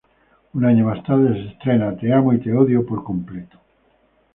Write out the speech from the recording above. Un año más tarde, se estrena "Te amo y te odio... por completo".